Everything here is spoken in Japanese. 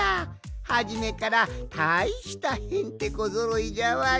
はじめからたいしたへんてこぞろいじゃわい！